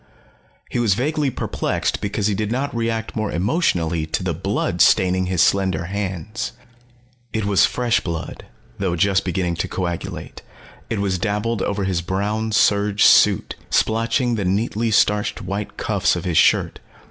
He was vaguely perplexed because he did not react more emotionally to the blood staining his slender hands. It was fresh blood, though just beginning to coagulate; it was dabbled over his brown serge suit, splotching the neatly starched white cuffs of his shirt.